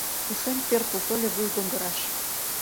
Ушем пӧртыл тольо вуйгоҥгыраш.